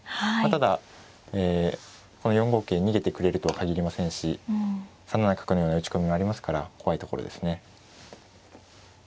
ただこの４五桂逃げてくれるとは限りませんし３七角のような打ち込みもありますから怖いところですね。